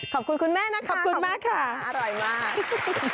ขอบคุณคุณแม่นะขอบคุณมากค่ะอร่อยมาก